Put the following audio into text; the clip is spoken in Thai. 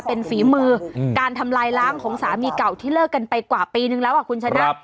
เป็นฝีมือการทำลายล้างของสามีเก่าที่เลิกกันไปกว่าปีนึงแล้วคุณชนะ